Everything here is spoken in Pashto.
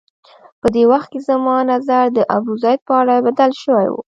په دې وخت کې زما نظر د ابوزید په اړه بدل شوی و.